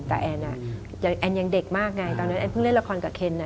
แต่แอนยังเด็กมากไงตอนนั้นแอนเพิ่งเล่นละครกับเคนนะ